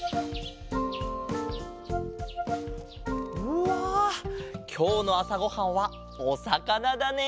うわきょうのあさごはんはおさかなだね。